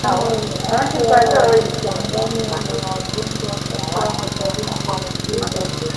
Wanyama wenye afya wakichanganywa na wagonjwa watakuwa hatarini kuambukizwa